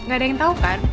gak ada yang tau kan